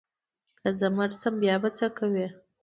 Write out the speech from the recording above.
که زه مړ شم بیا به څه کوې؟